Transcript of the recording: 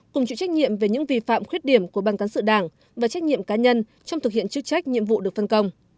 cùng chịu trách nhiệm về những vi phạm khuyết điểm của ban cán sự đảng và trách nhiệm cá nhân trong thực hiện chức trách nhiệm vụ được phân công